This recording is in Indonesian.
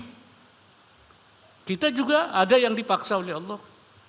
kita juga ada yang dipaksa oleh allah